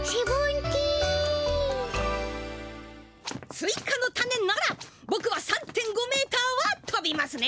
スイカのタネならボクは３．５メーターはとびますね！